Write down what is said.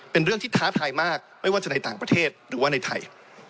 เป็นเรื่องที่ท้าทายมากไม่ว่าจะในต่างประเทศหรือว่าในไทย